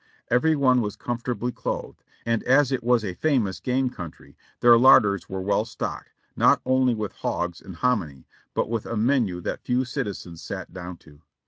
Every one was comfortably clothed, and as it was a famous game country, their larders were well stocked, not only with hogs and hominy, but with a menu that few citizens sat down to.